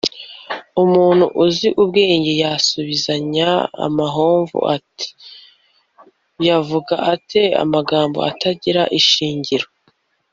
umuntu uzi ubwenge yasubizanya amahomvu ate, yavuga ate amagambo atagira ishingiro